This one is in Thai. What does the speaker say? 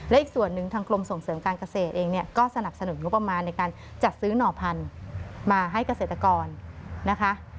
และอีกส่วนหนึ่งทางกรมส่งเสริมการเกษตรเองเนี่ยก็สนับสนุนงบประมาณในการจัดซื้อหน่อพันธุ์มาให้เกษตรกรนะคะ